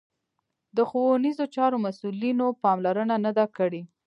د ښوونیزو چارو مسوولینو پاملرنه نه ده کړې